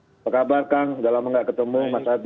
apa kabar kang udah lama gak ketemu mas adi